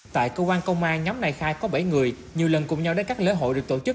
tại cơ quan công an nhóm này khai có bảy người nhiều lần cùng nhau đến các lễ hội được tổ chức